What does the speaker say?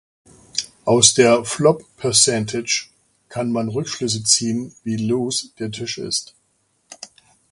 Aus der "Flop Percentage" kann man Rückschlüsse ziehen wie "loose" der Tisch ist.